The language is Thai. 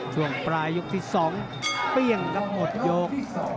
ช่วงปลายยกที่สองเตรียมกับหมดโยค